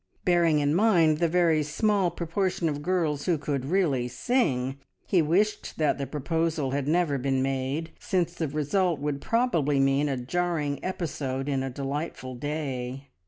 Bearing in mind the very small proportion of girls who could really sing, he wished that the proposal had never been made, since the result would probably mean a jarring episode in a delightful day.